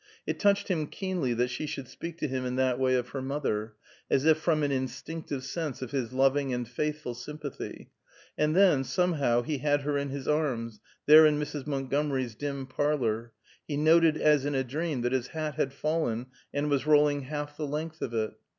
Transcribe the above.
It touched him keenly that she should speak to him in that way of her mother, as if from an instinctive sense of his loving and faithful sympathy; and then, somehow he had her in his arms, there in Mrs. Montgomery's dim parlor; he noted, as in a dream, that his hat had fallen and was rolling half the length of it.